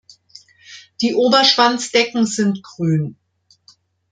Die Oberschwanzdecken sind grün.